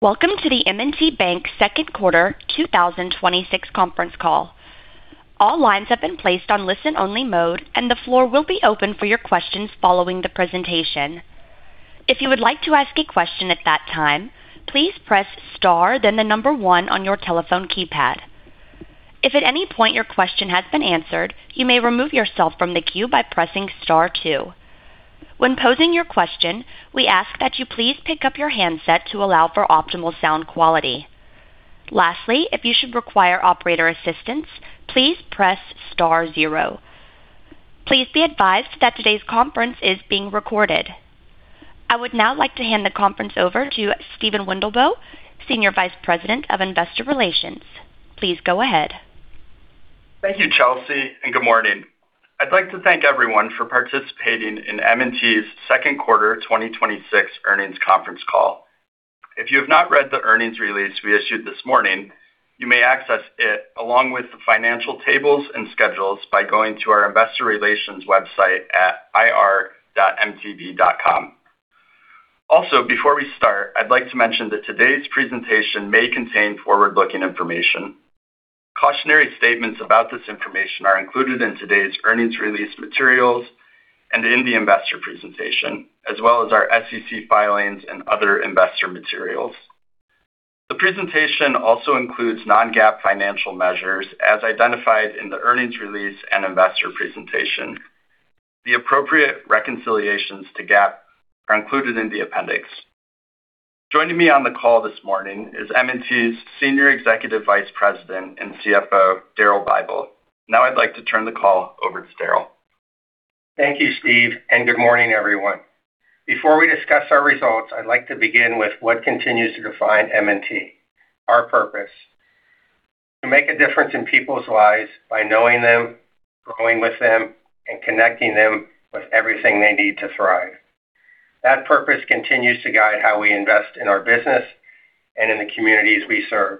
Welcome to the M&T Bank second quarter 2026 conference call. All lines have been placed on listen-only mode, and the floor will be open for your questions following the presentation. If you would like to ask a question at that time, please press star, then one on your telephone keypad. If at any point your question has been answered, you may remove yourself from the queue by pressing star two. When posing your question, we ask that you please pick up your handset to allow for optimal sound quality. Lastly, if you should require operator assistance, please press star zero. Please be advised that today's conference is being recorded. I would now like to hand the conference over to Steven Wendelboe, Senior Vice President of Investor Relations. Please go ahead. Thank you, Chelsea, and good morning. I'd like to thank everyone for participating in M&T's second quarter 2026 earnings conference call. If you have not read the earnings release we issued this morning, you may access it along with the financial tables and schedules by going to our investor relations website at ir.mtb.com. Also, before we start, I'd like to mention that today's presentation may contain forward-looking information. Cautionary statements about this information are included in today's earnings release materials and in the investor presentation, as well as our SEC filings and other investor materials. The presentation also includes non-GAAP financial measures as identified in the earnings release and investor presentation. The appropriate reconciliations to GAAP are included in the appendix. Joining me on the call this morning is M&T's Senior Executive Vice President and CFO, Daryl Bible. Now I'd like to turn the call over to Daryl. Thank you, Steve, and good morning, everyone. Before we discuss our results, I'd like to begin with what continues to define M&T, our purpose: to make a difference in people's lives by knowing them, growing with them, and connecting them with everything they need to thrive. That purpose continues to guide how we invest in our business and in the communities we serve.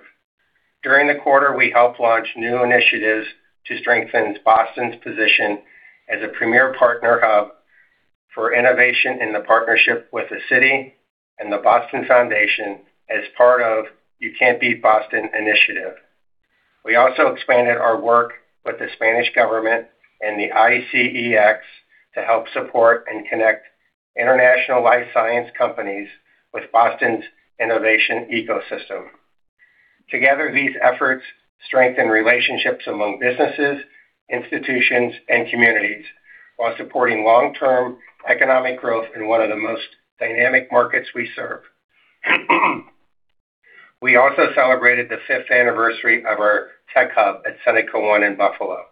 During the quarter, we helped launch new initiatives to strengthen Boston's position as a premier partner hub for innovation in the partnership with the city and The Boston Foundation as part of the You Can't Beat Boston initiative. We also expanded our work with the Spanish government and the ICEX to help support and connect international life science companies with Boston's innovation ecosystem. Together, these efforts strengthen relationships among businesses, institutions, and communities while supporting long-term economic growth in one of the most dynamic markets we serve. We also celebrated the fifth anniversary of our tech hub at Seneca One in Buffalo.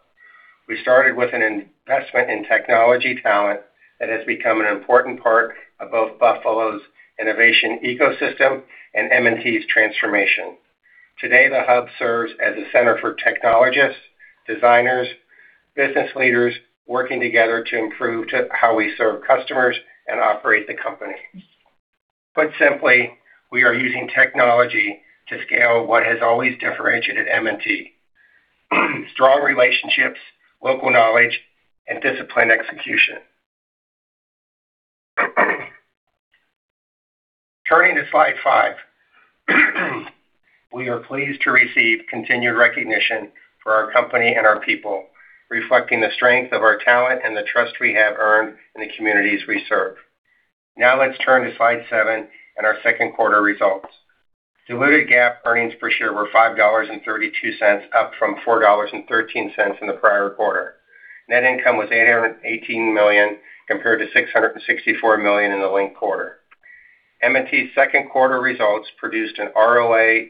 We started with an investment in technology talent that has become an important part of both Buffalo's innovation ecosystem and M&T's transformation. Today, the hub serves as a center for technologists, designers, business leaders working together to improve how we serve customers and operate the company. Put simply, we are using technology to scale what has always differentiated M&T, strong relationships, local knowledge, and disciplined execution. Turning to slide five. We are pleased to receive continued recognition for our company and our people, reflecting the strength of our talent and the trust we have earned in the communities we serve. Now let's turn to slide seven and our second quarter results. Diluted GAAP earnings per share were $5.32, up from $4.13 in the prior quarter. Net income was $818 million compared to $664 million in the linked quarter. M&T's second quarter results produced an ROA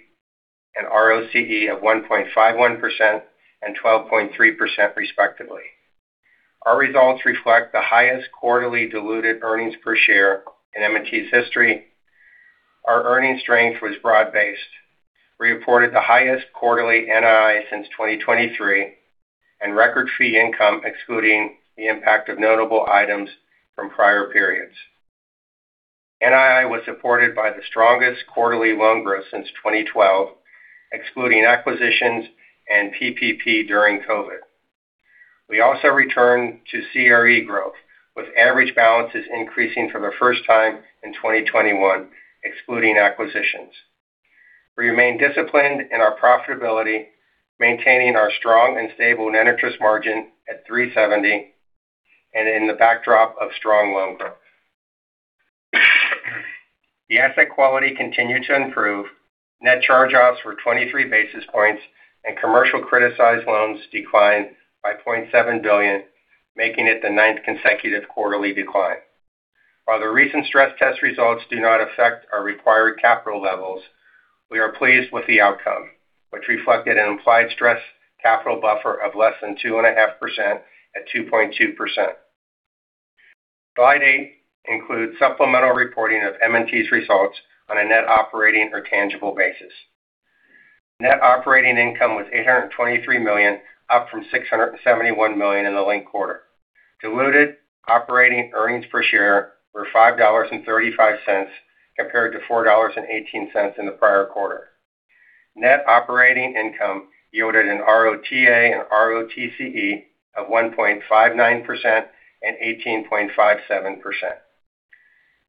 and ROCE of 1.51% and 12.3% respectively. Our results reflect the highest quarterly diluted earnings per share in M&T's history. Our earnings strength was broad-based. We reported the highest quarterly NII since 2023 and record fee income excluding the impact of notable items from prior periods. NII was supported by the strongest quarterly loan growth since 2012, excluding acquisitions and PPP during COVID. We also returned to CRE growth, with average balances increasing for the first time in 2021, excluding acquisitions. We remain disciplined in our profitability, maintaining our strong and stable net interest margin at 3.70% in the backdrop of strong loan growth. The asset quality continued to improve. Net charge-offs were 23 basis points, and commercial criticized loans declined by $0.7 billion, making it the ninth consecutive quarterly decline. While the recent stress test results do not affect our required capital levels, we are pleased with the outcome, which reflected an implied stress capital buffer of less than 2.5% at 2.2%. Slide eight includes supplemental reporting of M&T's results on a net operating or tangible basis. Net operating income was $823 million, up from $671 million in the linked quarter. Diluted operating earnings per share were $5.35 compared to $4.18 in the prior quarter. Net operating income yielded an ROTA and ROTCE of 1.59% and 18.57%.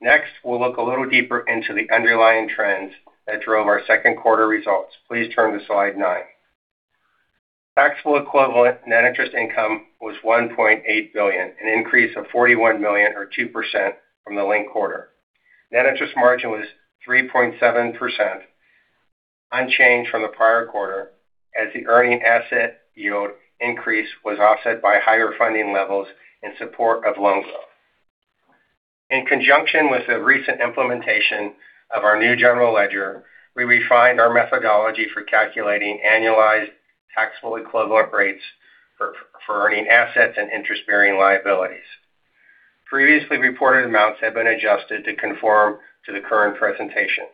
Next, we'll look a little deeper into the underlying trends that drove our second quarter results. Please turn to slide nine. Taxable equivalent net interest income was $1.8 billion, an increase of $41 million or 2% from the linked quarter. Net interest margin was 3.7%, unchanged from the prior quarter, as the earning asset yield increase was offset by higher funding levels in support of loan growth. In conjunction with the recent implementation of our new general ledger, we refined our methodology for calculating annualized taxable equivalent rates for earning assets and interest-bearing liabilities. Previously reported amounts have been adjusted to conform to the current presentation.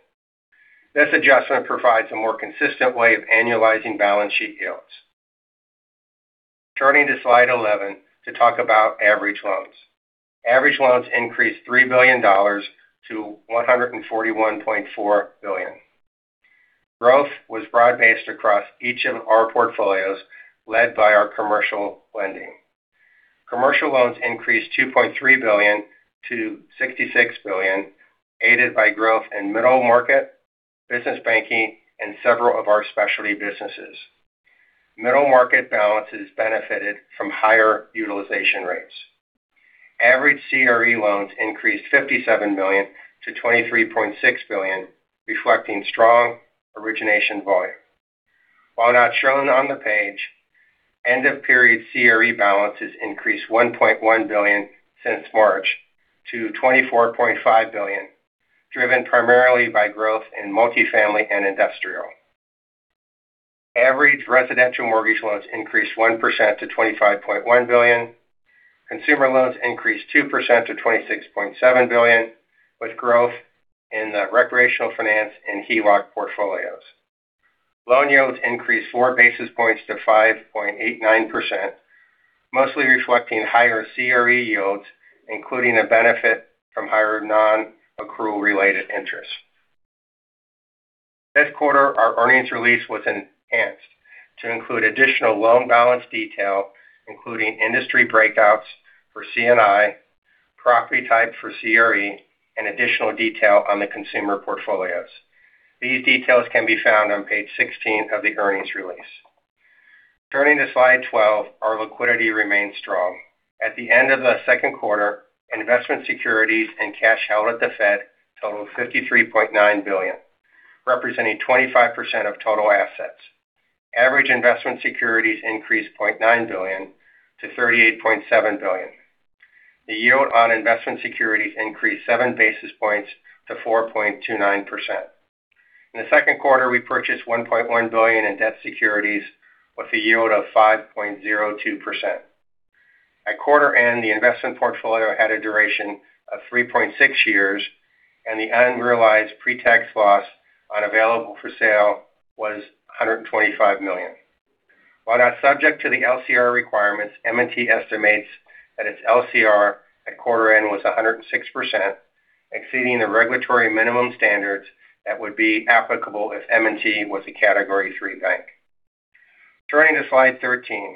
This adjustment provides a more consistent way of annualizing balance sheet yields. Turning to slide 11 to talk about average loans. Average loans increased $3 billion to $141.4 billion. Growth was broad-based across each of our portfolios, led by our commercial lending. Commercial loans increased $2.3 billion to $66 billion, aided by growth in middle market, business banking, and several of our specialty businesses. Middle market balances benefited from higher utilization rates. Average CRE loans increased $57 million to $23.6 billion, reflecting strong origination volume. While not shown on the page, end-of-period CRE balances increased $1.1 billion since March to $24.5 billion, driven primarily by growth in multifamily and industrial. Average residential mortgage loans increased 1% to $25.1 billion. Consumer loans increased 2% to $26.7 billion with growth in the recreational finance and HELOC portfolios. Loan yields increased 4 basis points to 5.89%, mostly reflecting higher CRE yields, including a benefit from higher non-accrual related interest. This quarter, our earnings release was enhanced to include additional loan balance detail, including industry breakouts for C&I, property type for CRE, and additional detail on the consumer portfolios. These details can be found on page 16 of the earnings release. Turning to slide 12, our liquidity remains strong. At the end of the second quarter, investment securities and cash held at the Fed totaled $53.9 billion, representing 25% of total assets. Average investment securities increased $0.9 billion to $38.7 billion. The yield on investment securities increased 7 basis points to 4.29%. In the second quarter, we purchased $1.1 billion in debt securities with a yield of 5.02%. At quarter end, the investment portfolio had a duration of 3.6 years, and the unrealized pretax loss on available for sale was $125 million. While not subject to the LCR requirements, M&T estimates that its LCR at quarter end was 106%, exceeding the regulatory minimum standards that would be applicable if M&T was a Category 3 bank. Turning to slide 13.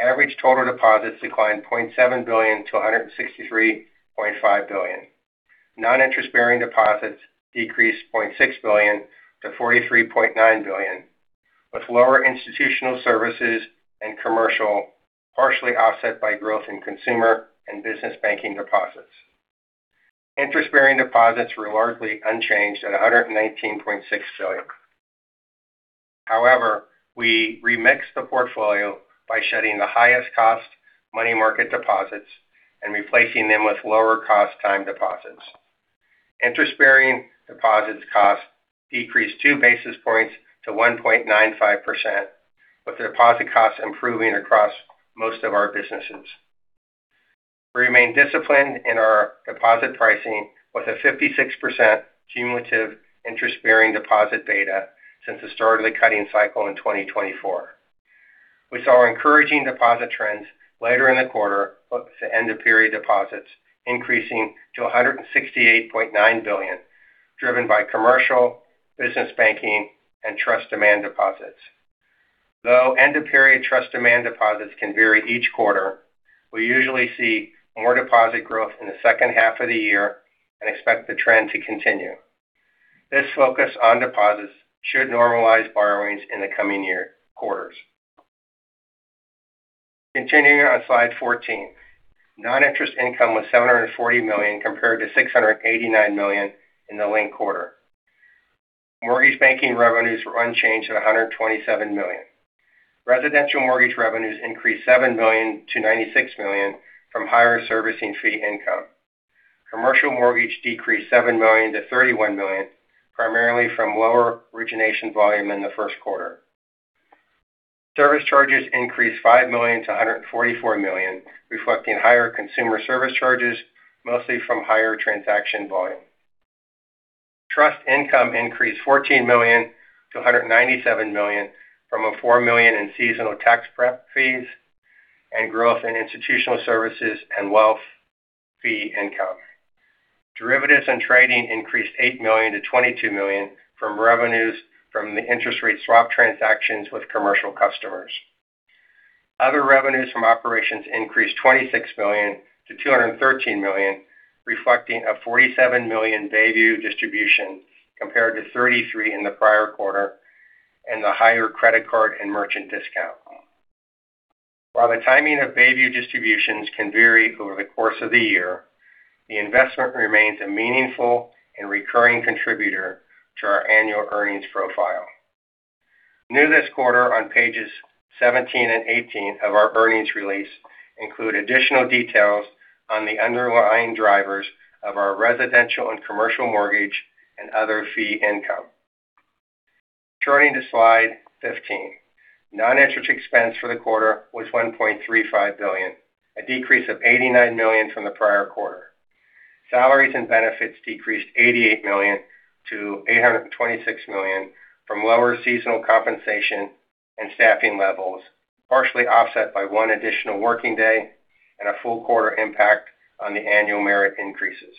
Average total deposits declined $0.7 billion to $163.5 billion. Non-interest-bearing deposits decreased $0.6 billion to $43.9 billion, with lower institutional services and commercial partially offset by growth in consumer and business banking deposits. Interest-bearing deposits were largely unchanged at $119.6 billion. However, we remixed the portfolio by shedding the highest cost money market deposits and replacing them with lower cost time deposits. Interest-bearing deposits cost decreased 2 basis points to 1.95%, with deposit costs improving across most of our businesses. We remain disciplined in our deposit pricing with a 56% cumulative interest-bearing deposit beta since the start of the cutting cycle in 2024. We saw encouraging deposit trends later in the quarter with end-of-period deposits increasing to $168.9 billion, driven by commercial, business banking, and trust demand deposits. Though end-of-period trust demand deposits can vary each quarter, we usually see more deposit growth in the second half of the year and expect the trend to continue. This focus on deposits should normalize borrowings in the coming year quarters. Continuing on slide 14. Non-interest income was $740 million compared to $689 million in the linked quarter. Mortgage banking revenues were unchanged at $127 million. Residential mortgage revenues increased $7 million to $96 million from higher servicing fee income. Commercial mortgage decreased $7 million to $31 million, primarily from lower origination volume than the first quarter. Service charges increased $5 million to $144 million, reflecting higher consumer service charges, mostly from higher transaction volume. Trust income increased $14 million to $197 million from a $4 million in seasonal tax prep fees and growth in institutional services and wealth fee income. Derivatives and trading increased $8 million to $22 million from revenues from the interest rate swap transactions with commercial customers. Other revenues from operations increased $26 million to $213 million, reflecting a $47 million Bayview distribution compared to $33 million in the prior quarter and the higher credit card and merchant discount. While the timing of Bayview distributions can vary over the course of the year, the investment remains a meaningful and recurring contributor to our annual earnings profile. New this quarter on pages 17 and 18 of our earnings release include additional details on the underlying drivers of our residential and commercial mortgage and other fee income. Turning to slide 15. Non-interest expense for the quarter was $1.35 billion, a decrease of $89 million from the prior quarter. Salaries and benefits decreased $88 million to $826 million from lower seasonal compensation and staffing levels, partially offset by one additional working day and a full quarter impact on the annual merit increases.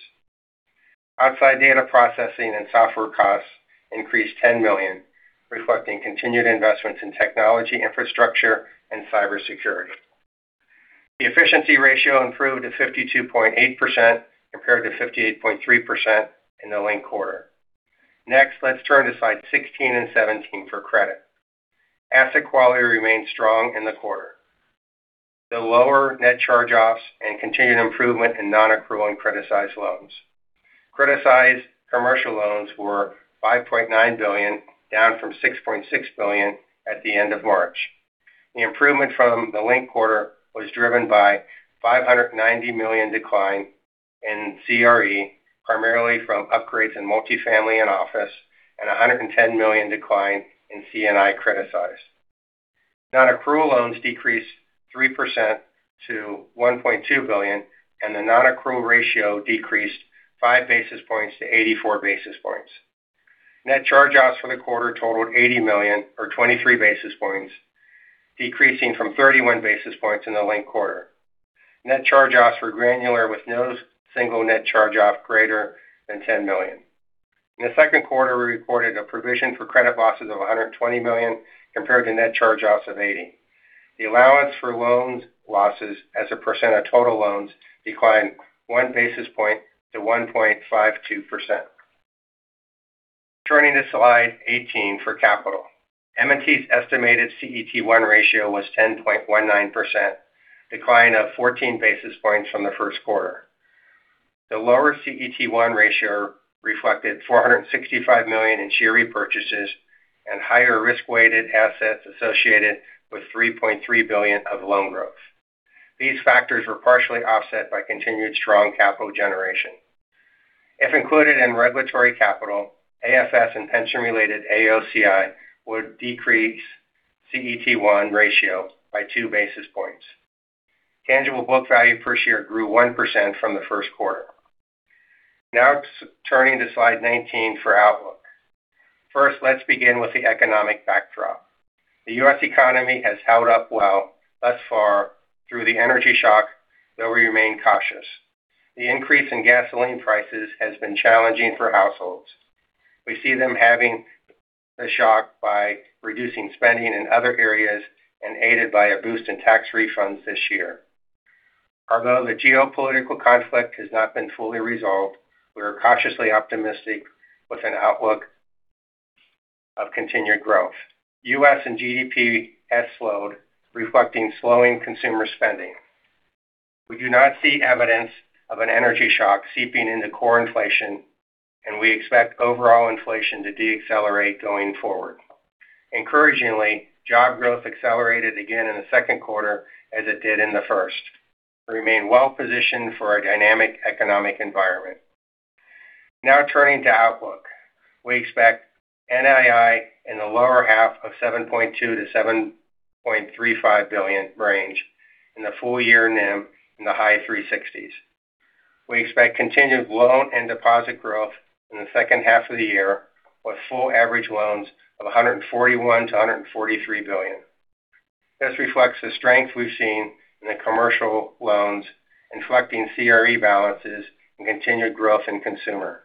Outside data processing and software costs increased $10 million, reflecting continued investments in technology infrastructure and cybersecurity. The efficiency ratio improved to 52.8% compared to 58.3% in the linked quarter. Next, let's turn to slide 16 and 17 for credit. Asset quality remained strong in the quarter. The lower net charge-offs and continued improvement in non-accrual and criticized loans. Criticized commercial loans were $5.9 billion, down from $6.6 billion at the end of March. The improvement from the linked quarter was driven by a $590 million decline in CRE, primarily from upgrades in multi-family and office and a $110 million decline in C&I criticize. Non-accrual loans decreased 3% to $1.2 billion, and the non-accrual ratio decreased 5 basis points to 84 basis points. Net charge-offs for the quarter totaled $80 million or 23 basis points, decreasing from 31 basis points in the linked quarter. Net charge-offs were granular with no single net charge-off greater than $10 million. In the second quarter, we reported a provision for credit losses of $120 million compared to net charge-offs of $80 million. The allowance for loans losses as a percent of total loans declined 1 basis point to 1.52%. Turning to slide 18 for capital. M&T's estimated CET1 ratio was 10.19%, a decline of 14 basis points from the first quarter. The lower CET1 ratio reflected $465 million in share repurchases and higher risk-weighted assets associated with $3.3 billion of loan growth. These factors were partially offset by continued strong capital generation. If included in regulatory capital, AFS and pension-related AOCI would decrease CET1 ratio by 2 basis points. Tangible book value per share grew 1% from the first quarter. Now turning to slide 19 for outlook. First, let's begin with the economic backdrop. The U.S. economy has held up well thus far through the energy shock, though we remain cautious. The increase in gasoline prices has been challenging for households. We see them having the shock by reducing spending in other areas and aided by a boost in tax refunds this year. Although the geopolitical conflict has not been fully resolved, we are cautiously optimistic with an outlook of continued growth. U.S. and GDP has slowed, reflecting slowing consumer spending. We do not see evidence of an energy shock seeping into core inflation, and we expect overall inflation to deaccelerate going forward. Encouragingly, job growth accelerated again in the second quarter as it did in the first. We remain well-positioned for a dynamic economic environment. Now turning to outlook. We expect NII in the lower half of $7.2 billion-$7.35 billion range and the full-year NIM in the high 3.60%. We expect continued loan and deposit growth in the second half of the year with full average loans of $141 billion-$143 billion. This reflects the strength we've seen in the commercial loans, reflecting CRE balances and continued growth in consumer.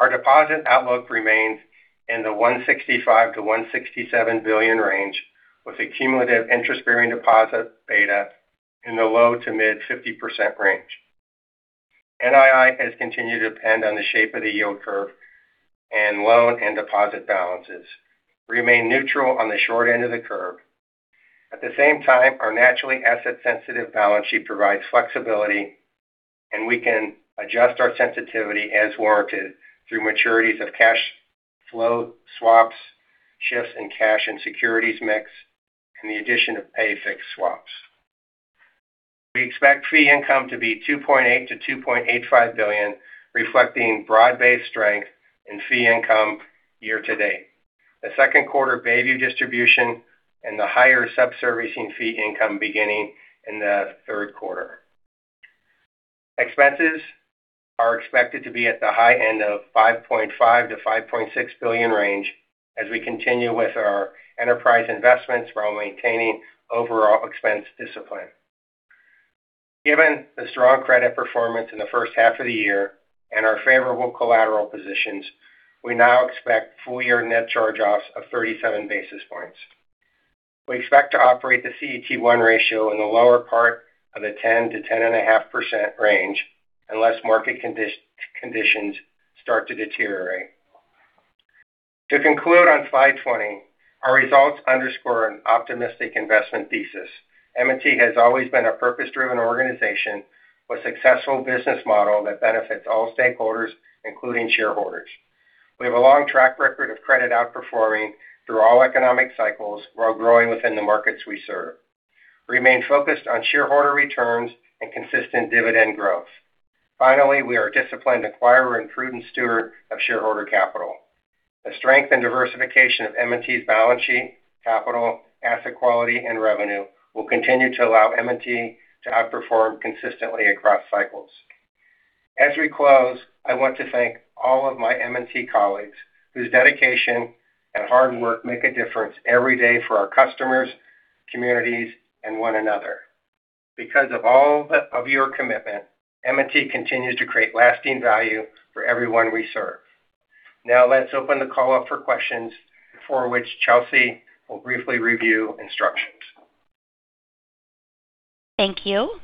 Our deposit outlook remains in the $165 billion-$167 billion range with a cumulative interest-bearing deposit beta in the low to mid 50% range. NII has continued to depend on the shape of the yield curve and loan and deposit balances. We remain neutral on the short end of the curve. At the same time, our naturally asset-sensitive balance sheet provides flexibility, and we can adjust our sensitivity as warranted through maturities of cash flow swaps, shifts in cash and securities mix, and the addition of pay fixed swaps. We expect fee income to be $2.8 billion-$2.85 billion, reflecting broad-based strength in fee income year to date. The second quarter Bayview distribution and the higher sub-servicing fee income beginning in the third quarter. Expenses are expected to be at the high end of the $5.5 billion-$5.6 billion range as we continue with our enterprise investments while maintaining overall expense discipline. Given the strong credit performance in the first half of the year and our favorable collateral positions, we now expect full-year net charge-offs of 37 basis points. We expect to operate the CET1 ratio in the lower part of the 10%-10.5% range unless market conditions start to deteriorate. To conclude on slide 20, our results underscore an optimistic investment thesis. M&T has always been a purpose-driven organization with a successful business model that benefits all stakeholders, including shareholders. We have a long track record of credit outperforming through all economic cycles while growing within the markets we serve. We remain focused on shareholder returns and consistent dividend growth. Finally, we are a disciplined acquirer and prudent steward of shareholder capital. The strength and diversification of M&T's balance sheet, capital, asset quality, and revenue will continue to allow M&T to outperform consistently across cycles. As we close, I want to thank all of my M&T colleagues whose dedication and hard work make a difference every day for our customers, communities, and one another. Because of all of your commitment, M&T continues to create lasting value for everyone we serve. Now let's open the call up for questions for which Chelsea will briefly review instructions. Thank you.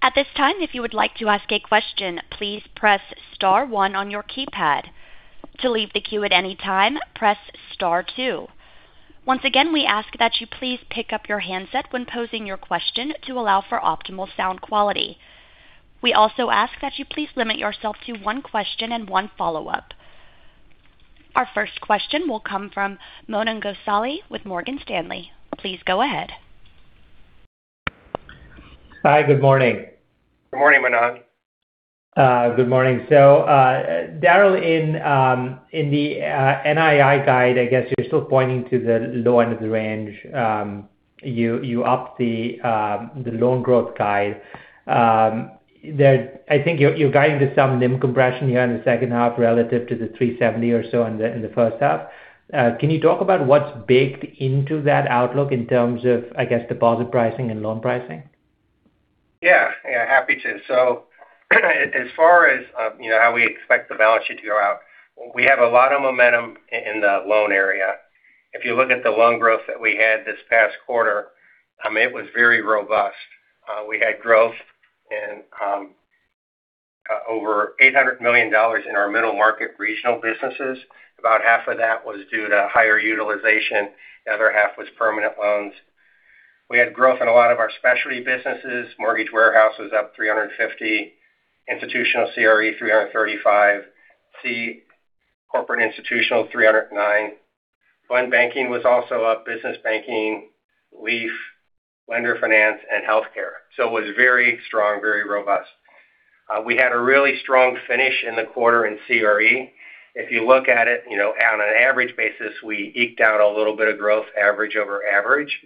At this time, if you would like to ask a question, please press star one on your keypad. To leave the queue at any time, press star two. Once again, we ask that you please pick up your handset when posing your question to allow for optimal sound quality. We also ask that you please limit yourself to one question and one follow-up. Our first question will come from Manan Gosalia with Morgan Stanley. Please go ahead. Hi, good morning. Good morning, Manan. Good morning. Daryl, in the NII guide, I guess you're still pointing to the low end of the range. You upped the loan growth guide. I think you're guiding to some NIM compression here in the second half relative to the 3.70% or so in the first half. Can you talk about what's baked into that outlook in terms of, I guess, deposit pricing and loan pricing? Yeah. Happy to. As far as how we expect the balance sheet to go out, we have a lot of momentum in the loan area. If you look at the loan growth that we had this past quarter, it was very robust. We had growth in over $800 million in our middle market regional businesses. About half of that was due to higher utilization. The other half was permanent loans. We had growth in a lot of our specialty businesses. Mortgage Warehouse was up $350 million, institutional CRE $335 million, C&I corporate institutional $309 million. Fund banking was also up, business banking, LEAF, lender finance, and healthcare. It was very strong, very robust. We had a really strong finish in the quarter in CRE. If you look at it, on an average basis, we eked out a little bit of growth average over average.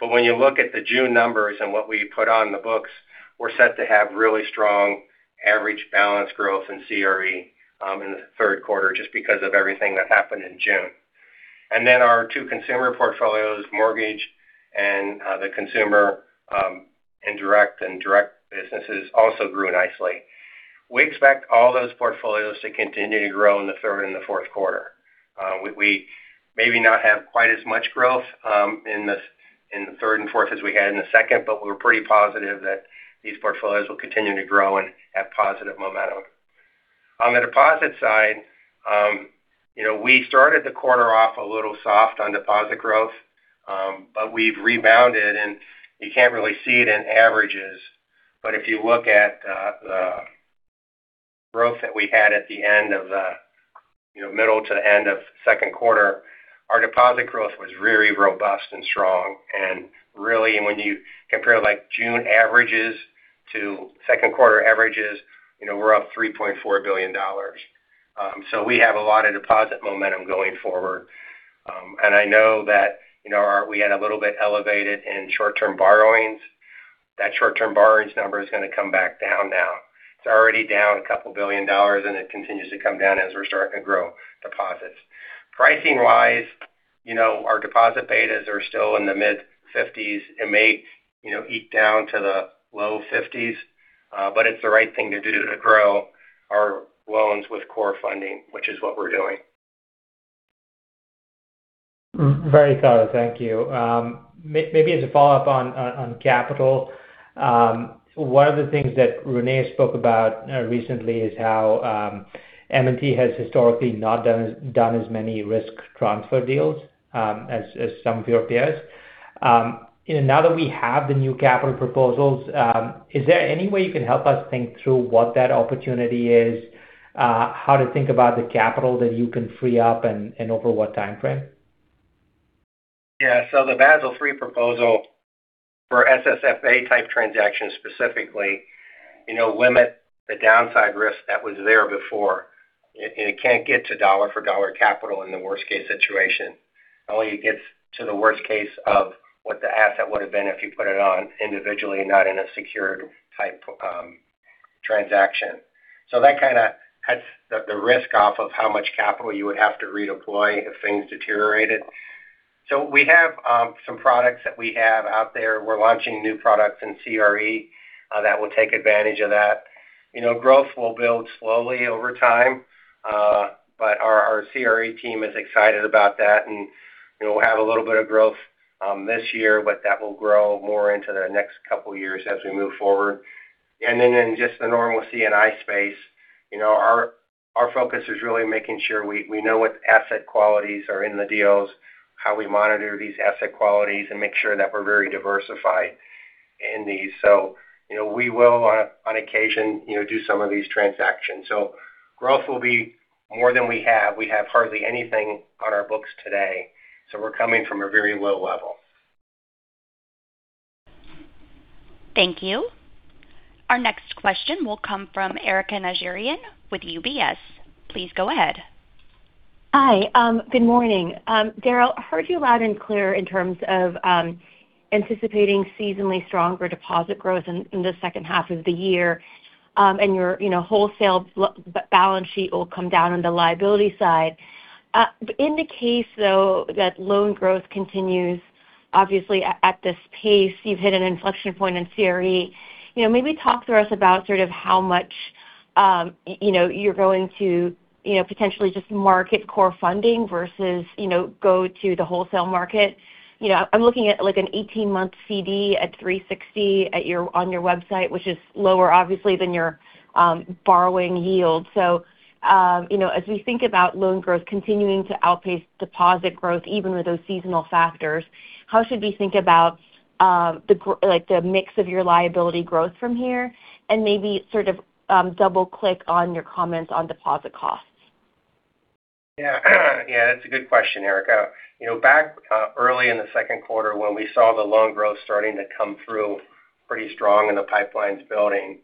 When you look at the June numbers and what we put on the books, we're set to have really strong average balance growth in CRE in the third quarter, just because of everything that happened in June. Our two consumer portfolios, mortgage and the consumer indirect and direct businesses also grew nicely. We expect all those portfolios to continue to grow in the third and the fourth quarter. We maybe not have quite as much growth in the third and fourth as we had in the second, we're pretty positive that these portfolios will continue to grow and have positive momentum. On the deposit side, we started the quarter off a little soft on deposit growth, we've rebounded, and you can't really see it in averages. If you look at the growth that we had at the middle to the end of second quarter, our deposit growth was really robust and strong. Really, when you compare June averages to second quarter averages, we're up $3.4 billion. We have a lot of deposit momentum going forward. I know that we had a little bit elevated in short-term borrowings. That short-term borrowings number is going to come back down now. It's already down a couple billion dollars, and it continues to come down as we're starting to grow deposits. Pricing-wise, our deposit betas are still in the mid-50s. It may eke down to the low-50s, but it's the right thing to do to grow our loans with core funding, which is what we're doing. Very clear. Thank you. Maybe as a follow-up on capital. One of the things that René spoke about recently is how M&T has historically not done as many risk transfer deals as some of your peers. Now that we have the new capital proposals, is there any way you can help us think through what that opportunity is, how to think about the capital that you can free up, and over what timeframe? The Basel III proposal for SSFA type transactions specifically limit the downside risk that was there before. It can't get to dollar for dollar capital in the worst-case situation. Only it gets to the worst case of what the asset would have been if you put it on individually, not in a secured type transaction. That kind of cuts the risk off of how much capital you would have to redeploy if things deteriorated. We have some products that we have out there. We're launching new products in CRE that will take advantage of that. Growth will build slowly over time. Our CRE team is excited about that, and we'll have a little bit of growth this year, but that will grow more into the next couple of years as we move forward. In just the normal C&I space, our focus is really making sure we know what asset qualities are in the deals, how we monitor these asset qualities, and make sure that we're very diversified in these. We will on occasion do some of these transactions. Growth will be more than we have. We have hardly anything on our books today, we're coming from a very low level. Thank you. Our next question will come from Erika Najarian with UBS. Please go ahead. Hi. Good morning. Daryl, I heard you loud and clear in terms of anticipating seasonally stronger deposit growth in the second half of the year. Your wholesale balance sheet will come down on the liability side. In the case, though, that loan growth continues, obviously, at this pace, you've hit an inflection point in CRE. Maybe talk to us about sort of how much you're going to potentially just market core funding versus go to the wholesale market. I'm looking at an 18-month CD at 360 on your website, which is lower, obviously, than your borrowing yield. As we think about loan growth continuing to outpace deposit growth, even with those seasonal factors, how should we think about the mix of your liability growth from here? And maybe sort of double-click on your comments on deposit costs. That's a good question, Erika. Back early in the second quarter when we saw the loan growth starting to come through pretty strong and the pipelines building,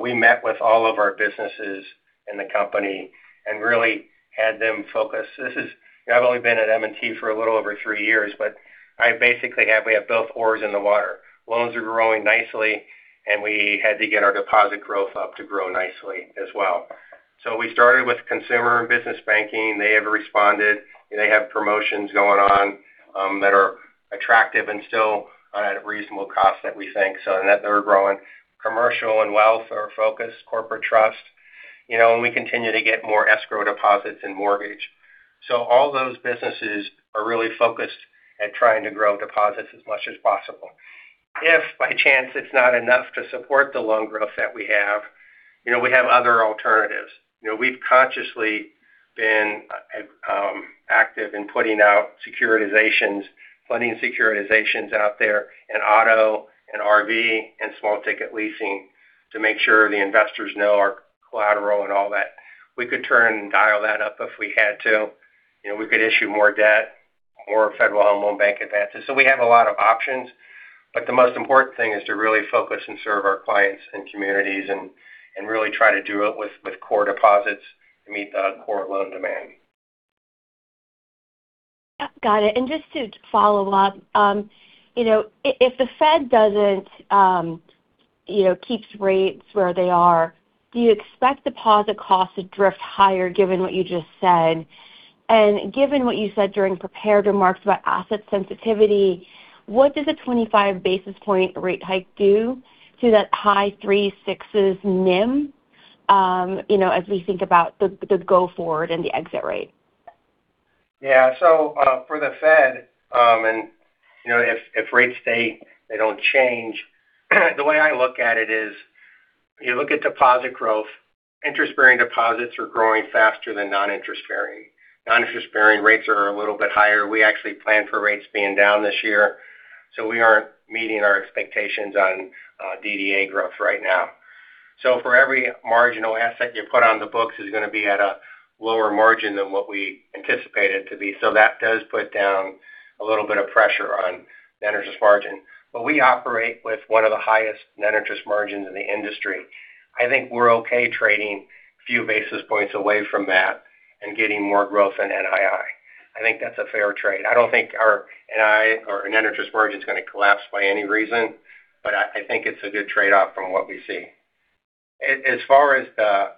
we met with all of our businesses in the company and really had them focus. I've only been at M&T for a little over three years, but I basically have. We have both oars in the water. Loans are growing nicely, and we had to get our deposit growth up to grow nicely as well. We started with consumer and business banking. They have responded. They have promotions going on that are attractive and still at a reasonable cost that we think, so in that they're growing. Commercial and wealth are our focus, corporate trust, and we continue to get more escrow deposits in mortgage. All those businesses are really focused at trying to grow deposits as much as possible. If by chance it's not enough to support the loan growth that we have, we have other alternatives. We've consciously been active in putting out funding securitizations out there in auto, in RV, and small ticket leasing to make sure the investors know our collateral and all that. We could turn and dial that up if we had to. We could issue more debt or Federal Home Loan Bank advances. We have a lot of options, but the most important thing is to really focus and serve our clients and communities and really try to do it with core deposits to meet the core loan demand. Yeah. Got it. Just to follow up, if the Fed keeps rates where they are, do you expect deposit costs to drift higher given what you just said? Given what you said during prepared remarks about asset sensitivity, what does a 25-basis-point rate hike do to that high 3.6% NIM as we think about the go forward and the exit rate? Yeah. For the Fed, and if rates stay, they don't change, the way I look at it is, you look at deposit growth, interest-bearing deposits are growing faster than non-interest-bearing. Non-interest-bearing rates are a little bit higher. We actually planned for rates being down this year, we aren't meeting our expectations on DDA growth right now. For every marginal asset you put on the books is going to be at a lower margin than what we anticipated to be. That does put down a little bit of pressure on net interest margin. We operate with one of the highest net interest margins in the industry. I think we're okay trading a few basis points away from that and getting more growth in NII. I think that's a fair trade. I don't think our NII or net interest margin is going to collapse by any reason, but I think it's a good trade-off from what we see. As far as the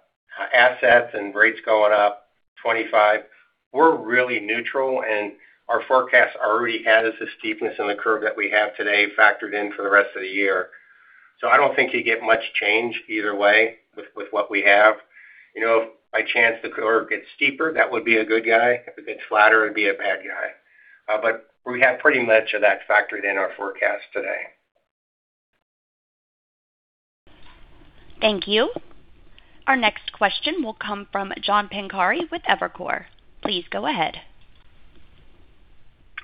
assets and rates going up 25 basis points, we're really neutral, and our forecast already has the steepness in the curve that we have today factored in for the rest of the year. I don't think you get much change either way with what we have. If by chance the curve gets steeper, that would be a good guy. If it gets flatter, it'd be a bad guy. We have pretty much of that factored in our forecast today. Thank you. Our next question will come from John Pancari with Evercore. Please go ahead.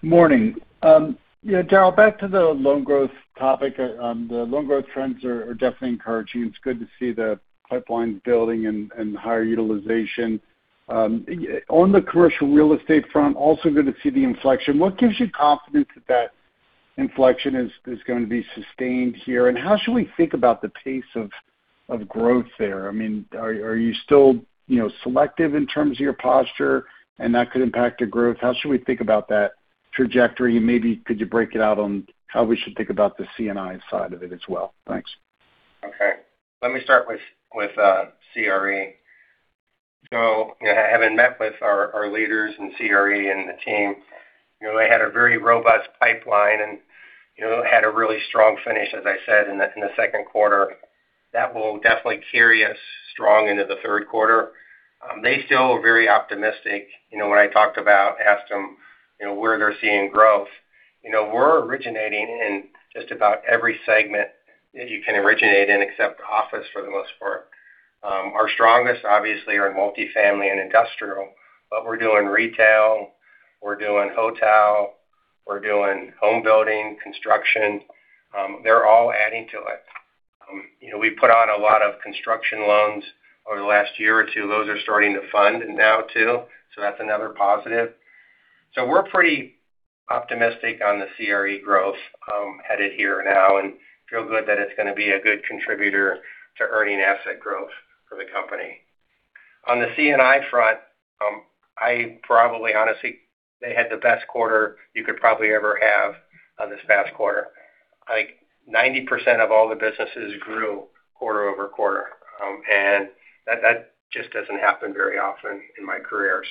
Morning. Daryl, back to the loan growth topic. The loan growth trends are definitely encouraging. It's good to see the pipelines building and higher utilization. On the commercial real estate front, also good to see the inflection. What gives you confidence that that inflection is going to be sustained here? How should we think about the pace of growth there? I mean, are you still selective in terms of your posture, and that could impact your growth? How should we think about that? Trajectory, maybe could you break it out on how we should think about the C&I side of it as well? Thanks. Okay. Let me start with CRE. Having met with our leaders in CRE and the team, they had a very robust pipeline and had a really strong finish, as I said, in the second quarter. That will definitely carry us strong into the third quarter. They still are very optimistic. When I asked them where they're seeing growth. We're originating in just about every segment that you can originate in except office, for the most part. Our strongest, obviously, are in multi-family and industrial, but we're doing retail, we're doing hotel, we're doing home building, construction. They're all adding to it. We put out a lot of construction loans over the last year or two. Those are starting to fund now, too, so that's another positive. We're pretty optimistic on the CRE growth headed here now and feel good that it's going to be a good contributor to earning asset growth for the company. On the C&I front, they had the best quarter you could probably ever have on this past quarter. 90% of all the businesses grew quarter-over-quarter. That just doesn't happen very often in my career.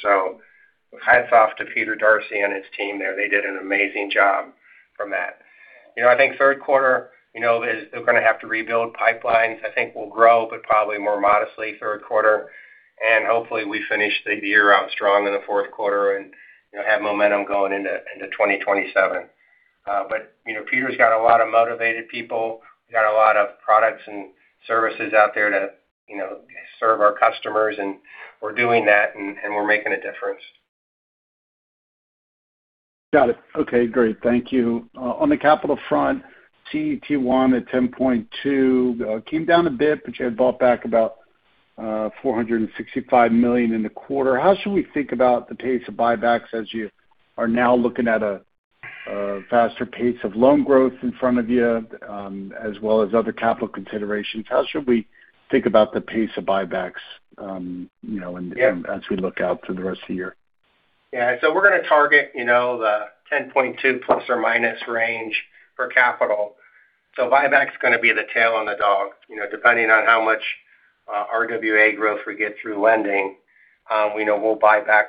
Hats off to Peter D'Arcy and his team there. They did an amazing job from that. I think third quarter, they're going to have to rebuild pipelines. I think we'll grow, but probably more modestly third quarter. Hopefully, we finish the year out strong in the fourth quarter and have momentum going into 2027. Peter's got a lot of motivated people. We got a lot of products and services out there to serve our customers, and we're doing that, and we're making a difference. Got it. Okay, great. Thank you. On the capital front, CET1 at 10.2%. Came down a bit, but you had bought back about $465 million in the quarter. How should we think about the pace of buybacks as you are now looking at a faster pace of loan growth in front of you, as well as other capital considerations? How should we think about the pace of buybacks- Yeah. as we look out for the rest of the year? Yeah. We're going to target the 10.2%± range for capital. Buyback's going to be the tail on the dog. Depending on how much RWA growth we get through lending, we know we'll buy back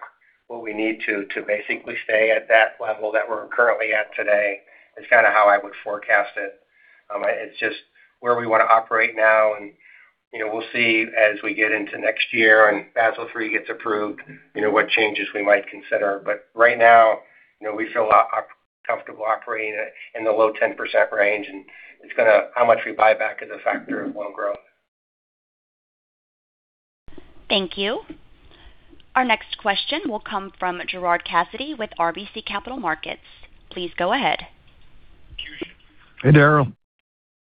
what we need to basically stay at that level that we're currently at today, is kind of how I would forecast it. It's just where we want to operate now, and we'll see as we get into next year and Basel III gets approved, what changes we might consider. Right now, we feel comfortable operating in the low 10% range, and it's going to how much we buy back as a factor of loan growth. Thank you. Our next question will come from Gerard Cassidy with RBC Capital Markets. Please go ahead. Hey, Daryl.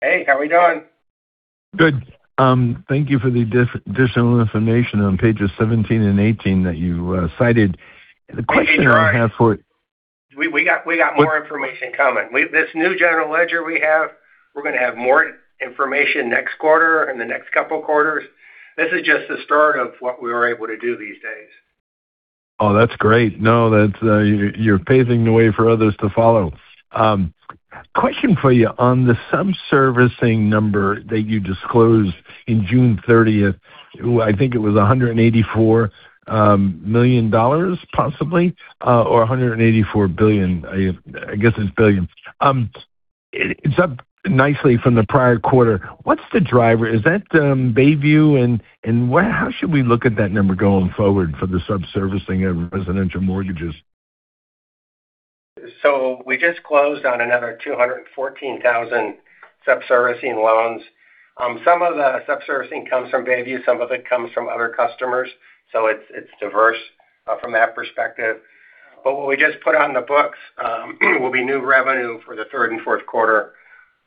Hey, how we doing? Good. Thank you for the additional information on pages 17 and 18 that you cited. We got more information coming. This new general ledger we have, we're going to have more information next quarter or in the next couple quarters. This is just the start of what we are able to do these days. That's great. You're paving the way for others to follow. Question for you. On the sub-servicing number that you disclosed in June 30th, I think it was $184 million, possibly, or $184 billion. I guess it's billion. It's up nicely from the prior quarter. What's the driver? Is that Bayview? How should we look at that number going forward for the sub-servicing of residential mortgages? We just closed on another 214,000 sub-servicing loans. Some of the sub-servicing comes from Bayview, some of it comes from other customers. It's diverse from that perspective. What we just put on the books will be new revenue for the third and fourth quarter.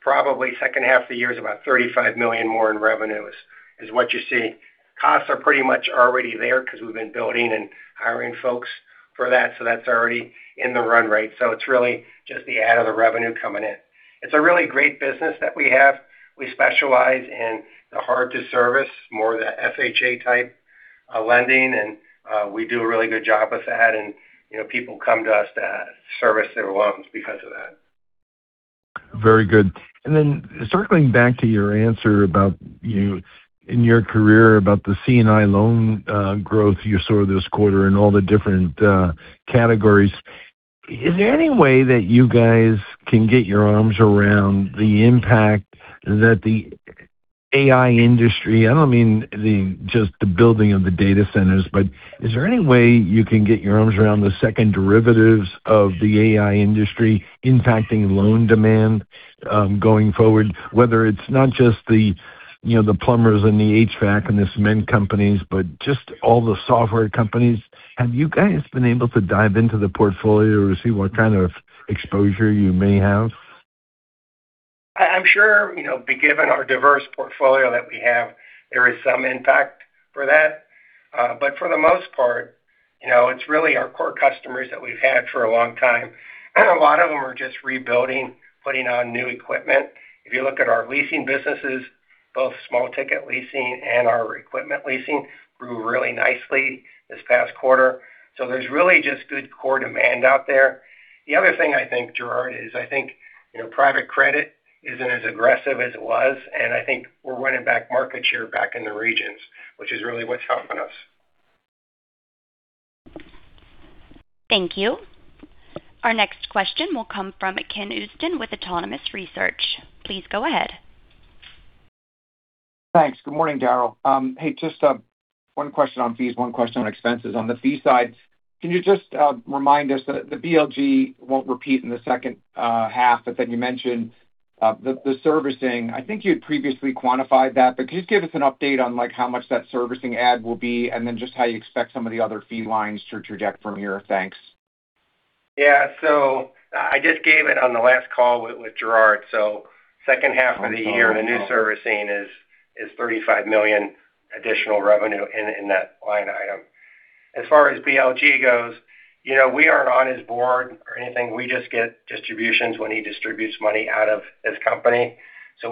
Probably second half of the year is about $35 million more in revenues is what you see. Costs are pretty much already there because we've been building and hiring folks for that, so that's already in the run rate. It's really just the add of the revenue coming in. It's a really great business that we have. We specialize in the hard to service, more of the FHA-type lending, and we do a really good job with that. People come to us to service their loans because of that. Very good. Circling back to your answer about in your career, about the C&I loan growth you saw this quarter and all the different categories. Is there any way that you guys can get your arms around the impact that the AI industry, I don't mean just the building of the data centers, but is there any way you can get your arms around the second derivatives of the AI industry impacting loan demand going forward? Whether it's not just the plumbers and the HVAC and the cement companies, but just all the software companies. Have you guys been able to dive into the portfolio to see what kind of exposure you may have? I'm sure, given our diverse portfolio that we have, there is some impact for that. For the most part, it's really our core customers that we've had for a long time. A lot of them are just rebuilding, putting on new equipment. If you look at our leasing businesses, both small-ticket leasing and our equipment leasing grew really nicely this past quarter. There's really just good core demand out there. The other thing I think, Gerard, is I think private credit isn't as aggressive as it was, and I think we're winning back market share back in the regions, which is really what's helping us. Thank you. Our next question will come from Ken Usdin with Autonomous Research. Please go ahead. Thanks. Good morning, Daryl. Just one question on fees, one question on expenses. On the fee side, can you just remind us, the BLG won't repeat in the second half, then you mentioned the servicing. I think you had previously quantified that, but could you just give us an update on how much that servicing add will be, and then just how you expect some of the other fee lines to traject from here? Thanks. Yeah. I just gave it on the last call with Gerard. Second half of the year, the new servicing is $35 million additional revenue in that line item. As far as BLG goes, we aren't on his board or anything. We just get distributions when he distributes money out of his company.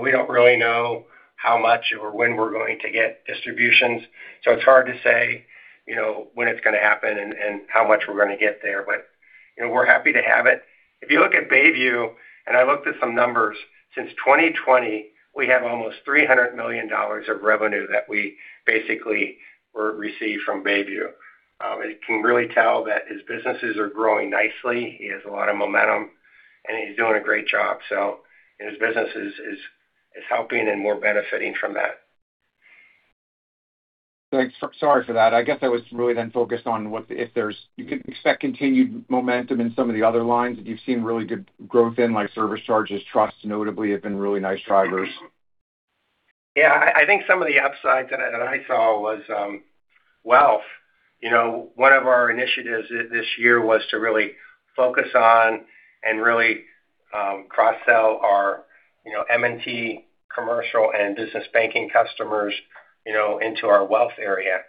We don't really know how much or when we're going to get distributions, so it's hard to say when it's going to happen and how much we're going to get there. We're happy to have it. If you look at Bayview, and I looked at some numbers, since 2020, we have almost $300 million of revenue that we basically received from Bayview. You can really tell that his businesses are growing nicely. He has a lot of momentum, and he's doing a great job. His business is helping and we're benefiting from that. Thanks. Sorry for that. I guess I was really then focused on if you could expect continued momentum in some of the other lines that you've seen really good growth in, like service charges, trusts notably have been really nice drivers. Yeah. I think some of the upside that I saw was wealth. One of our initiatives this year was to really focus on and really cross-sell our M&T commercial and business banking customers into our wealth area.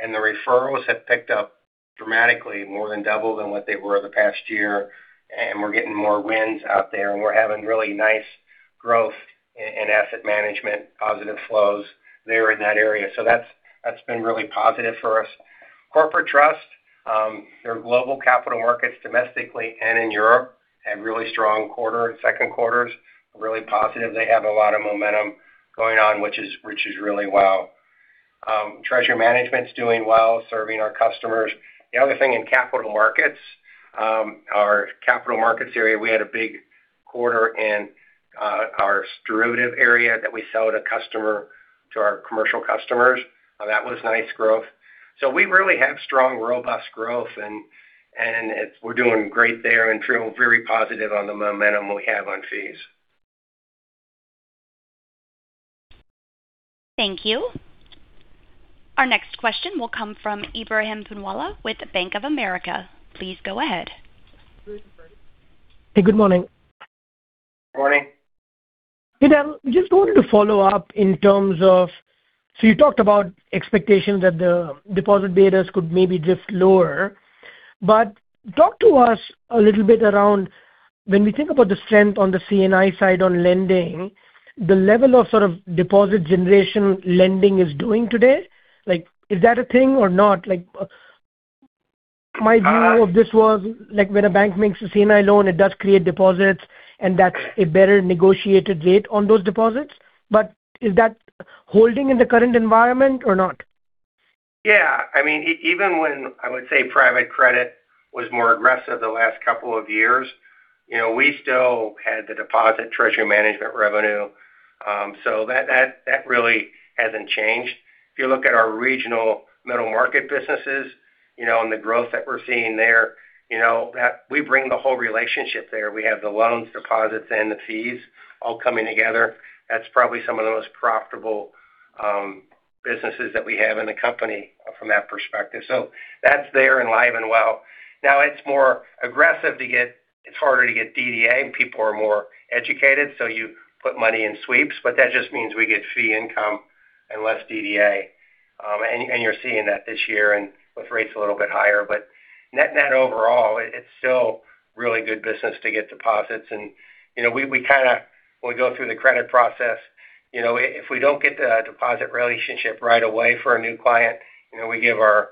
The referrals have picked up dramatically, more than double than what they were the past year, and we're getting more wins out there, and we're having really nice growth in asset management, positive flows there in that area. That's been really positive for us. Corporate trust, their global capital markets domestically and in Europe had really strong second quarters, really positive. They have a lot of momentum going on, which is really well. Treasury management's doing well, serving our customers. The other thing in capital markets, our capital markets area, we had a big quarter in our derivative area that we sell to our commercial customers. That was nice growth. We really have strong, robust growth, and we're doing great there and feel very positive on the momentum we have on fees. Thank you. Our next question will come from Ebrahim Poonawala with Bank of America. Please go ahead. Hey, good morning. Morning. Hey, Daryl. Just wanted to follow up. You talked about expectations that the deposit betas could maybe drift lower. Talk to us a little bit around when we think about the strength on the C&I side on lending, the level of sort of deposit generation lending is doing today. Is that a thing or not? My view of this was, when a bank makes a C&I loan, it does create deposits, and that's a better negotiated rate on those deposits. Is that holding in the current environment or not? Yeah. Even when I would say private credit was more aggressive the last couple of years, we still had the deposit treasury management revenue. That really hasn't changed. If you look at our regional middle market businesses, and the growth that we're seeing there, we bring the whole relationship there. We have the loans, deposits, and the fees all coming together. That's probably some of the most profitable businesses that we have in the company from that perspective. That's there and live and well. Now it's harder to get DDA and people are more educated, so you put money in sweeps, but that just means we get fee income and less DDA. You're seeing that this year and with rates a little bit higher. Net net overall, it's still really good business to get deposits. When we go through the credit process, if we don't get the deposit relationship right away for a new client, we give our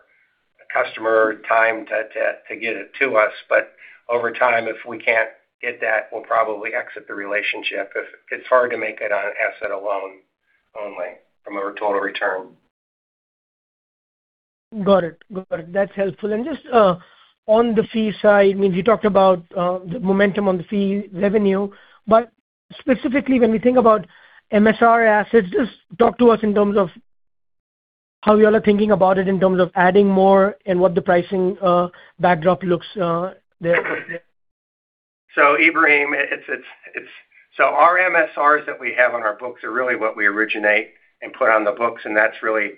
customer time to get it to us. Over time, if we can't get that, we'll probably exit the relationship. It's hard to make it on an asset alone only from a total return. Got it. That's helpful. Just on the fee side, you talked about the momentum on the fee revenue. Specifically when we think about MSR assets, just talk to us in terms of how you all are thinking about it in terms of adding more and what the pricing backdrop looks there. Ebrahim, so our MSRs that we have on our books are really what we originate and put on the books, and that's really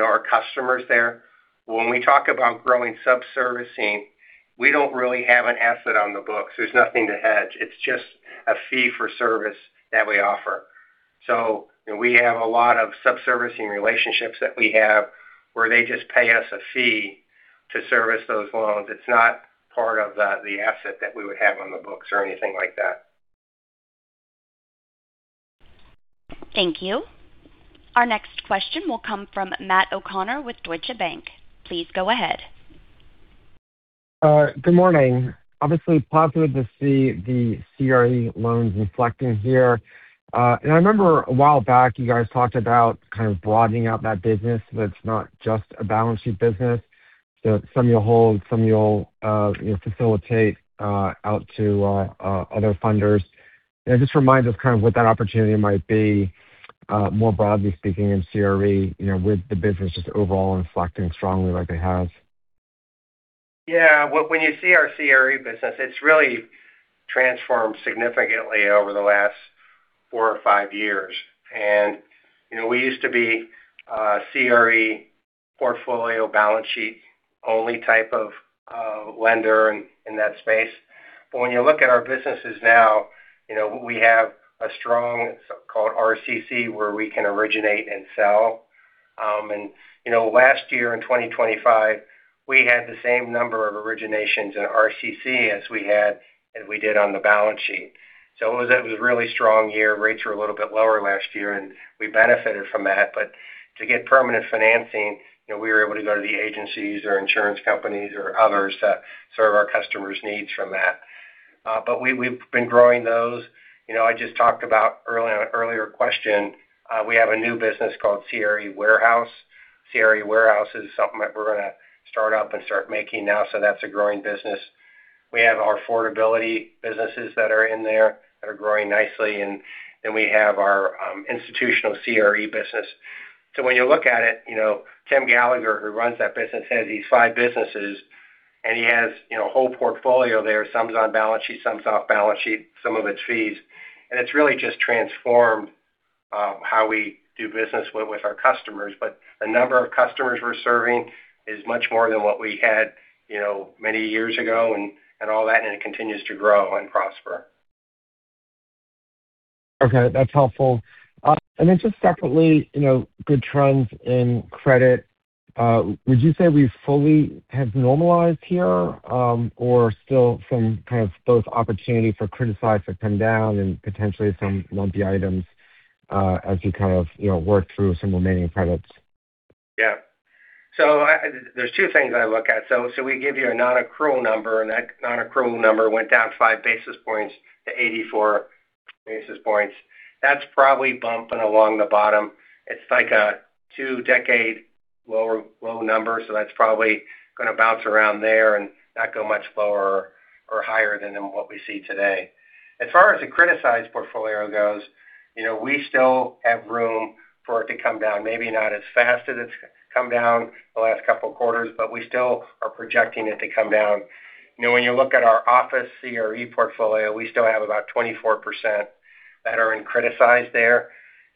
our customers there. When we talk about growing sub-servicing, we don't really have an asset on the books. There's nothing to hedge. It's just a fee for service that we offer. We have a lot of sub-servicing relationships that we have where they just pay us a fee to service those loans. It's not part of the asset that we would have on the books or anything like that. Thank you. Our next question will come from Matt O'Connor with Deutsche Bank. Please go ahead. Good morning. Obviously positive to see the CRE loans inflecting here. I remember a while back you guys talked about kind of broadening out that business so that it's not just a balance sheet business. Some you'll hold, some you'll facilitate out to other funders. Just remind us kind of what that opportunity might be more broadly speaking in CRE, with the businesses overall inflecting strongly like it has. Yeah. When you see our CRE business, it's really transformed significantly over the last four or five years. We used to be a CRE portfolio balance sheet only type of lender in that space. But when you look at our businesses now, we have a strong so-called RCC where we can originate and sell. Last year in 2025, we had the same number of originations in RCC as we did on the balance sheet. It was a really strong year. Rates were a little bit lower last year, and we benefited from that. But to get permanent financing, we were able to go to the agencies or insurance companies or others to serve our customers' needs from that. But we've been growing those. I just talked about on an earlier question, we have a new business called CRE Warehouse. CRE Warehouse is something that we're going to start up and start making now. That's a growing business. We have our affordability businesses that are in there that are growing nicely, and then we have our institutional CRE business. When you look at it, Tim Gallagher, who runs that business, has these five businesses, and he has a whole portfolio there. Some is on balance sheet, some is off balance sheet, some of it's fees. It's really just transformed how we do business with our customers. But the number of customers we're serving is much more than what we had many years ago and all that, and it continues to grow and prosper. Okay, that's helpful. Just separately, good trends in credit. Would you say we fully have normalized here? Or still some kind of both opportunity for criticized to come down and potentially some lumpy items as you kind of work through some remaining credits? Yeah. There's two things I look at. We give you a non-accrual number, and that non-accrual number went down 5 basis points to 84 basis points. That's probably bumping along the bottom. It's like a two-decade low number. That's probably going to bounce around there and not go much lower or higher than what we see today. As far as the criticized portfolio goes, we still have room for it to come down, maybe not as fast as it's come down the last couple of quarters, but we still are projecting it to come down. When you look at our office CRE portfolio, we still have about 24% that are in criticize there.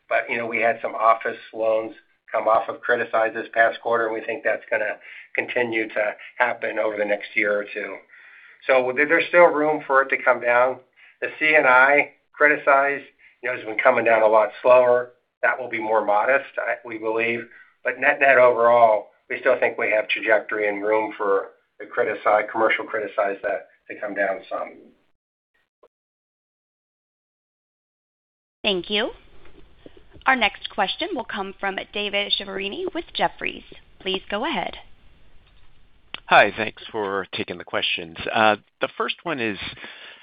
But we had some office loans come off of criticize this past quarter, and we think that's going to continue to happen over the next year or two. There's still room for it to come down. The C&I criticize has been coming down a lot slower. That will be more modest, we believe. Net net overall, we still think we have trajectory and room for the commercial criticize to come down some. Thank you. Our next question will come from David Chiaverini with Jefferies. Please go ahead. Hi. Thanks for taking the questions. The first one is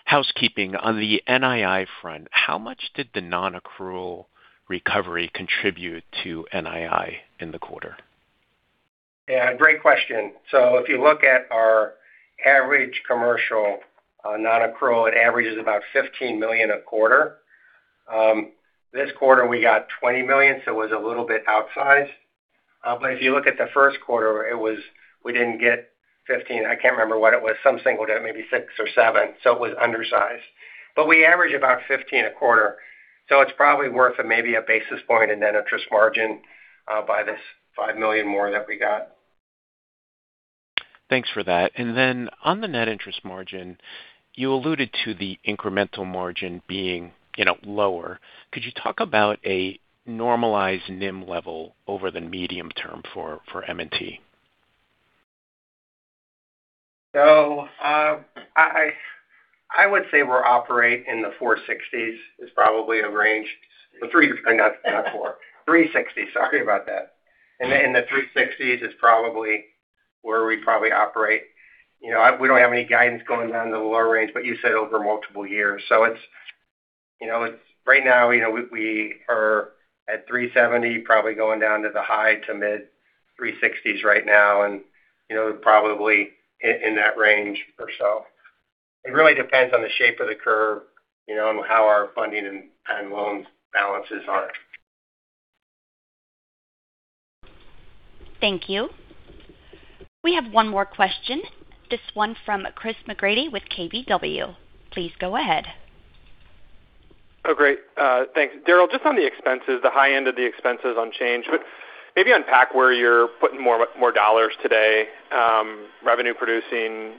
housekeeping. On the NII front, how much did the non-accrual recovery contribute to NII in the quarter? Yeah, great question. If you look at our average commercial non-accrual, it averages about $15 million a quarter. This quarter we got $20 million, so it was a little bit outsized. If you look at the first quarter, we didn't get $15 million. I can't remember what it was. Some single digit, maybe $6 million or $7 million. It was undersized. We average about $15 million a quarter. It's probably worth maybe 1 basis point in net interest margin by this $5 million more that we got. Thanks for that. On the net interest margin, you alluded to the incremental margin being lower. Could you talk about a normalized NIM level over the medium term for M&T? I would say we operate in the 4.60% is probably a range. Not 4, 3.60%, sorry about that. In the 3.60% is probably where we probably operate. We don't have any guidance going down to the lower range, you said over multiple years. Right now, we are at 3.70%, probably going down to the high to mid 3.60% right now and probably in that range or so. It really depends on the shape of the curve and how our funding and loan balances are. Thank you. We have one more question, this one from Chris McGratty with KBW. Please go ahead. Great. Thanks. Daryl, just on the expenses, the high end of the expenses on change. Maybe unpack where you're putting more dollars today, revenue producing,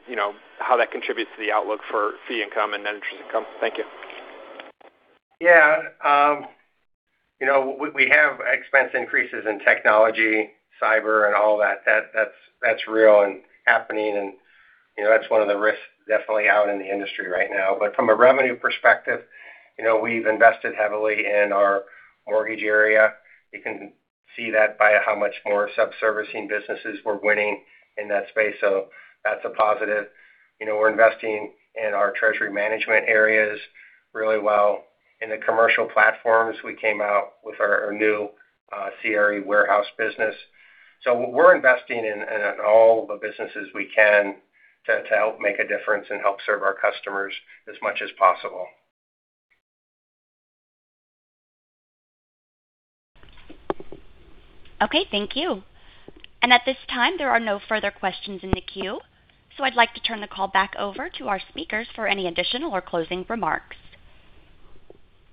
how that contributes to the outlook for fee income and net interest income. Thank you. Yeah. We have expense increases in technology, cyber, and all that. That's real and happening, and that's one of the risks definitely out in the industry right now. From a revenue perspective, we've invested heavily in our mortgage area. You can see that by how much more sub-servicing businesses we're winning in that space. That's a positive. We're investing in our treasury management areas really well. In the commercial platforms, we came out with our new CRE Warehouse business. We're investing in all the businesses we can to help make a difference and help serve our customers as much as possible. Okay. Thank you. At this time, there are no further questions in the queue. I'd like to turn the call back over to our speakers for any additional or closing remarks.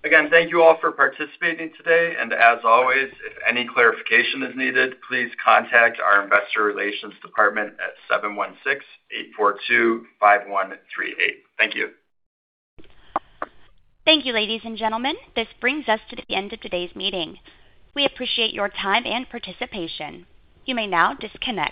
Again, thank you all for participating today. As always, if any clarification is needed, please contact our investor relations department at 716-842-5138. Thank you. Thank you, ladies and gentlemen. This brings us to the end of today's meeting. We appreciate your time and participation. You may now disconnect.